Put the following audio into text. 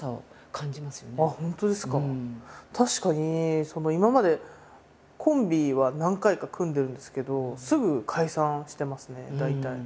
確かに今までコンビは何回か組んでるんですけどすぐ解散してますね大体。